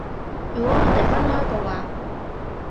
如果我哋分開嘅話